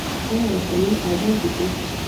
آیا رسنۍ ازادې دي؟